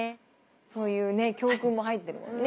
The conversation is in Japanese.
そういうね教訓も入ってるもんね。